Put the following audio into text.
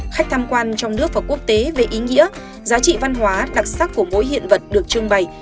khách tham quan trong nước và quốc tế về ý nghĩa giá trị văn hóa đặc sắc của mỗi hiện vật được trưng bày